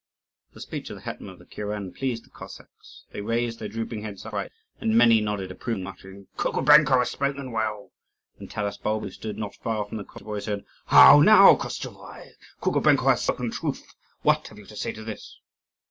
The speech of the hetman of the kuren pleased the Cossacks. They raised their drooping heads upright and many nodded approvingly, muttering, "Kukubenko has spoken well!" And Taras Bulba, who stood not far from the Koschevoi, said: "How now, Koschevoi? Kukubenko has spoken truth. What have you to say to this?"